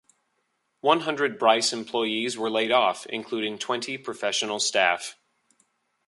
One hundred Bryce employees were laid off, including twenty professional staff.